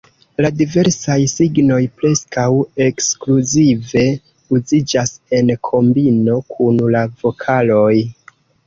La diversaj signoj preskaŭ ekskluzive uziĝas en kombino kun la vokaloj.